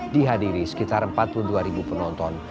dua ribu dua puluh dua dihadiri sekitar empat puluh dua penonton